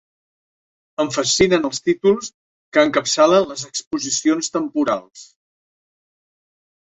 Em fascinen els títols que encapçalen les exposicions temporals.